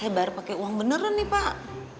saya baru pakai uang beneran nih pak